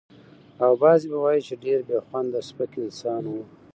او بعضې به وايي چې ډېر بې خونده سپک انسان و.